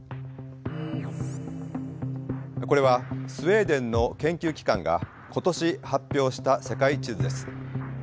これはスウェーデンの研究機関が今年発表した世界地図です。